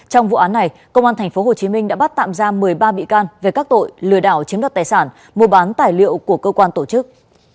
trong vụ án này công an tp hồ chí minh đã bắt tạm ra một mươi ba bị can về các tội lừa đảo chiếm đọc tài sản mua bán tài liệu của cơ quan tổ chức